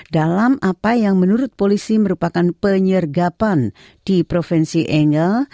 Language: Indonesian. dalam apa yang menurut polisi merupakan penyergapan di provinsi angel